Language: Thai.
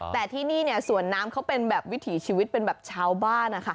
แต่ที่นี่เนี่ยสวนน้ำเขาเป็นแบบวิถีชีวิตเป็นแบบชาวบ้านนะคะ